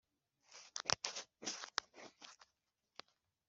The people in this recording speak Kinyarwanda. ni izihe nzozi zashobora kugangama imbere y’umugambi w’imana ye